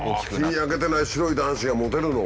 日に焼けてない白い男子がモテるの？